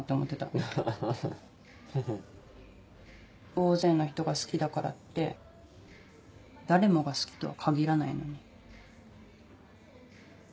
大勢の人が好きだからって誰もが好きとは限らないのに。